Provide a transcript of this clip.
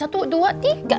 satu dua tiga